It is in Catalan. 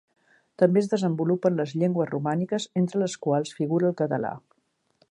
També es desenvolupen les llengües romàniques, entre les quals figura el català.